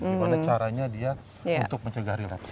di mana caranya dia untuk mencegah relapse